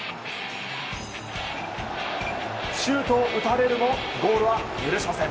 シュートを打たれるもゴールは許しません！